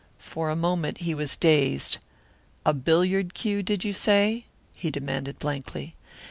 For a moment he was dazed. "A billiard cue, did you say?" he demanded blankly.